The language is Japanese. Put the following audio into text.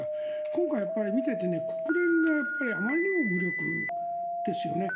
今回、見ていて国連があまりにも無力ですよね。